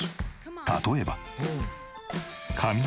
例えば。